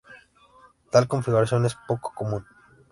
Tal configuración es poco común.